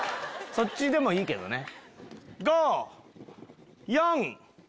そっちでもいいけどね。